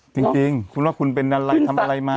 จริงคุณว่าคุณเป็นอะไรทำอะไรมา